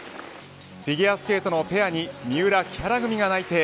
フィギュアスケートのペアに三浦・木原組が内定。